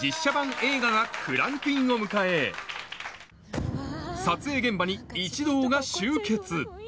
映画がクランクインを迎え撮影現場に一同が集結